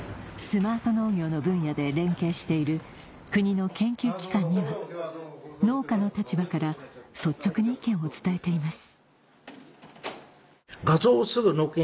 スマート農業の分野で連携している国の研究機関には農家の立場から率直に意見を伝えています